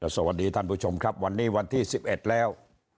สวัสดีท่านผู้ชมครับวันนี้วันที่๑๑แล้ว